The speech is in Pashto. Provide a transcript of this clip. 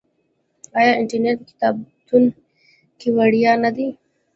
آیا انټرنیټ په کتابتون کې وړیا نه دی؟